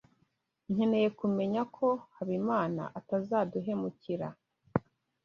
Nkeneye kumenya ko Habimana atazaduhemukira.